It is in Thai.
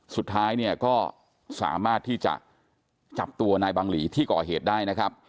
สุดท้ายเนี่ยก็สามารถที่จะจับตัวนายบังหลีที่ก่อเหตุได้นะครับ